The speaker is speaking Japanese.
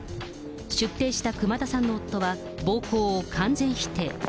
出廷した熊田さんの夫は、暴行を完全否定。